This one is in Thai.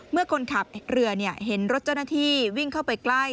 เมื่อคนขับเรือเห็นรถเจ้าหน้าที่วิ่งเข้าไปใกล้